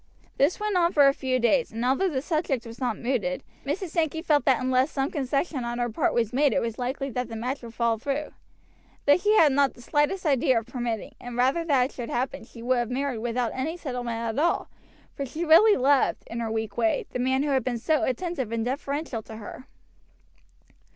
This went on for a few days, and although the subject was not mooted, Mrs. Sankey felt that unless some concession on her part was made it was likely that the match would fall through. This she had not the slightest idea of permitting, and rather than it should happen she would have married without any settlement at all, for she really loved, in her weak way, the man who had been so attentive and deferential to her.